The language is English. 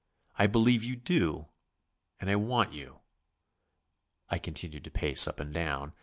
I believe you do, and I want you." I continued to pace up and down.